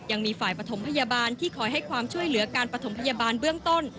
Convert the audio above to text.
ยังมีฝ่ายปฐมพยาบาลที่คอยให้ความช่วยเหลือการปฐมพยาบาลเบื้องต้น